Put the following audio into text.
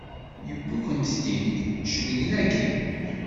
Yewwi-kent-id cennegnagi!